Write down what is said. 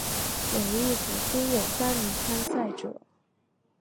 每一组均有三名参赛者。